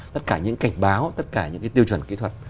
tất cả những cảnh báo tất cả những cái tiêu chuẩn kỹ thuật